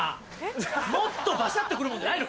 もっとバシャって来るもんじゃないの？